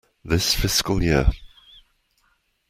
This fiscal year.